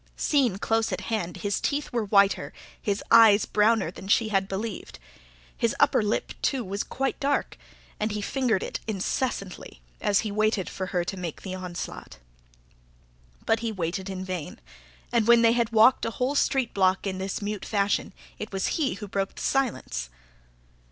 Seen close at hand his teeth were whiter, his eyes browner than she had believed. His upper lip, too, was quite dark; and he fingered it incessantly, as he waited for her to make the onslaught. But he waited in vain; and when they had walked a whole street block in this mute fashion, it was he who broke the silence.